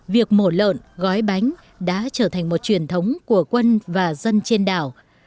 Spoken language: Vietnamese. việc mổ lợn gói bánh đã trở thành một truyền thống của quân và dân trên đảo